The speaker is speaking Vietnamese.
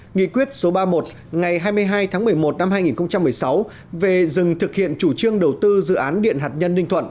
nghị quyết số ba mươi một ngày hai mươi hai tháng một mươi một năm hai nghìn một mươi sáu về dừng thực hiện chủ trương đầu tư dự án điện hạt nhân ninh thuận